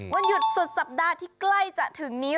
วันหยุดสุดสัปดาห์ที่ใกล้จะถึงนี้